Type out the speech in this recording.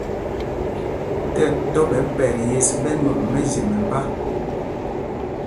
Ti ɛtɔ́ ɓɛ̌ pɛt yes ɓɛ nwɔŋ mɛzye mɛmbá.